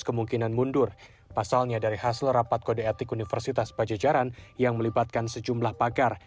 kemungkinan mundur pasalnya dari hasil rapat kode etik universitas pajajaran yang melibatkan sejumlah pakar